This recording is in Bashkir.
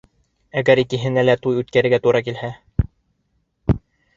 Әгәр икеһенә лә туй үткәрергә тура килһә!..